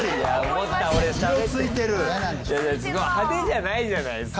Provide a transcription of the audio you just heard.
派手じゃないじゃないですか。